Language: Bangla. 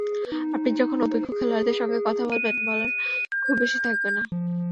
আপনি যখন অভিজ্ঞ খেলোয়াড়দের সঙ্গে কথা বলবেন, বলার খুব বেশি থাকবে না।